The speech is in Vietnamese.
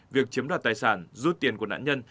việc chiếm đoạt tài sản rút tiền của nạn nhân